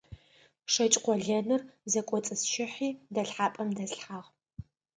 ШэкӀ къолэныр зэкӀоцӀысщыхьи дэлъхьапӀэм дэслъхьагъ.